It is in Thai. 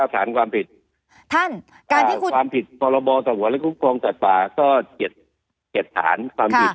๙ฐานความผิดภาระบอสังหวัลและคุกภองจัดป่าก็๗ฐานความผิด